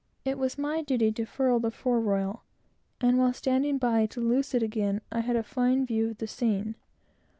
It was my duty to furl the fore royal; and while standing by to loose it again, I had a fine view of the scene.